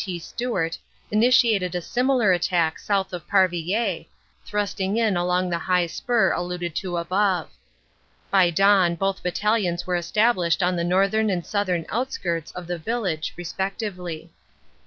T. Stewart, initiated a similar attack south of Parvillers, thrusting in along the high spur alluded to above. By dawn both battalions were established on the northern and southern outskirts of the village respectively.